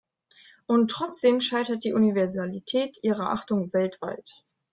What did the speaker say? Und trotzdem scheitert die Universalität ihrer Achtung weltweit.